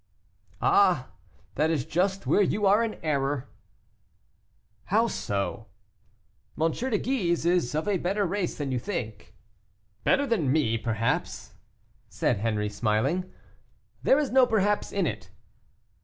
"Ah! that is just where you are in error." "How so?" "M. de Guise is of a better race than you think." "Better than me, perhaps," said Henri, smiling. "There is no perhaps in it."